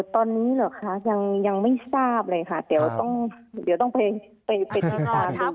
ตอนนี้หรือคะยังไม่ทราบเลยค่ะเดี๋ยวต้องไปติดตาม